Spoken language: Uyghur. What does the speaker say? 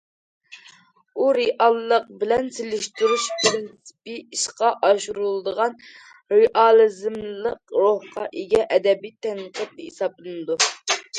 ئۇ رېئاللىق بىلەن سېلىشتۇرۇش پىرىنسىپى ئىشقا ئاشۇرۇلىدىغان، رېئالىزملىق روھقا ئىگە ئەدەبىي تەنقىد ھېسابلىنىدۇ.